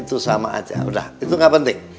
udah itu gak penting